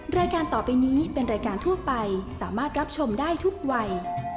รายการต่อไปนี้เป็นรายการทั่วไปสามารถรับชมได้ทุกวัย